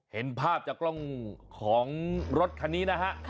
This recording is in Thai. เห็นภาพจากกล้องของรถคันนี้นะฮะ